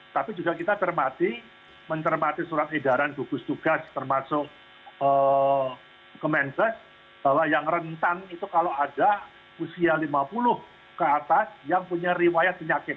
tapi juga kita termati mencermati surat edaran gugus tugas termasuk kemenkes bahwa yang rentan itu kalau ada usia lima puluh ke atas yang punya riwayat penyakit